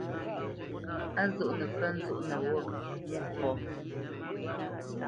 Á zoʼnə kə̂ nzóʼnə wô Mwôkɔ̌?